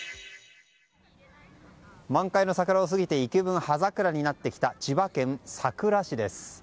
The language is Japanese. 満開の桜を過ぎて幾分、葉桜になってきた千葉県佐倉市です。